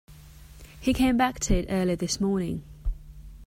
He came back to it early this morning.